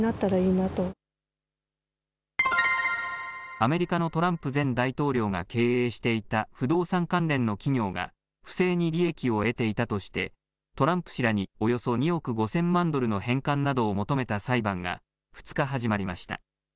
アメリカのトランプ前大統領が経営していた不動産関連の企業が不正に利益を得ていたとしてトランプ氏らにおよそ２億５０００万ドルの返還などを求めた裁判が２日始まりました。